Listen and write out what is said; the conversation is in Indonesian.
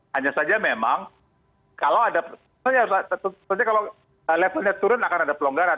hanya saja memang kalau ada levelnya turun akan ada pelonggaran